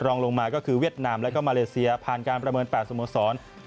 รองลงมาก็คือเวียดนามแล้วก็มาเลเซียผ่านการประเมิน๘สโมสร